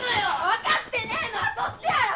分かってねえのはそっちやろ！